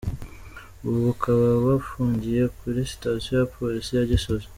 ubu bakaba bafungiye kuri Sitasiyo ya Polisi ya Gisozi.